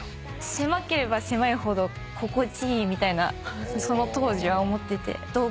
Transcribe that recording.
狭ければ狭いほど心地いいみたいなその当時は思ってて洞窟みたいな。